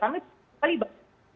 kami juga libat